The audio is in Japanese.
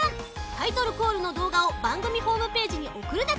タイトルコールのどうがをばんぐみホームページにおくるだけ。